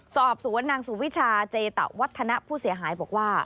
สอบสวนนางสุวิชาเจตะวัฒนะผู้เสียหายบอกว่า